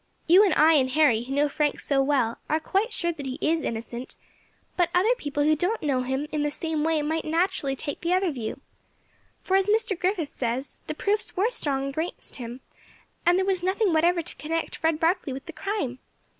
You and I and Harry, who know Frank so well, are quite sure that he is innocent; but other people who don't know him in the same way might naturally take the other view, for, as Mr. Griffith says, the proofs were strong against him, and there was nothing whatever to connect Fred Barkley with the crime.